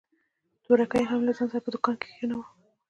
تورکى يې هم له ځان سره په دوکان کښې کښېناوه.